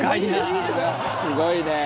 「すごいね」